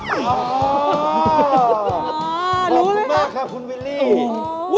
ขอบคุณมากค่ะคุณวิลลี่